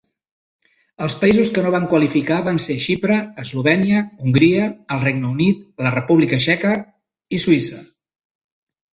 Els països que no van qualificar van ser Xipre, Eslovènia, Hongria, el Regne Unit, la República Txeca i Suïssa.